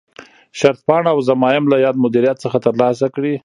شرطپاڼه او ضمایم له یاد مدیریت څخه ترلاسه کړي.